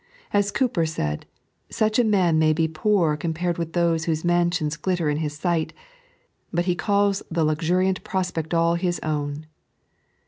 As Cowper said, such a man may be poor compared with those whose mansions glitter in his sight, but be calls the luxuriant prospect all his own.